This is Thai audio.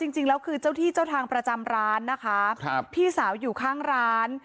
จริงแล้วคือเจ้าที่เจ้าทางประจำร้านนะคะพี่สาวอยู่ข้างร้าน